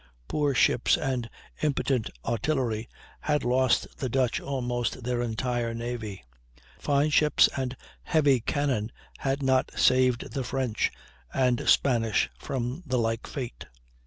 Poor ships and impotent artillery had lost the Dutch almost their entire navy; fine ships and heavy cannon had not saved the French and Spanish from the like fate.